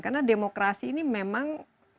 karena demokrasi ini memang